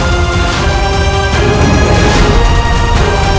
saya juga baru baru kan